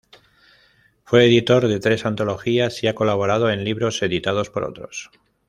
Fue editor de tres antologías y ha colaborado en libros editados por otros.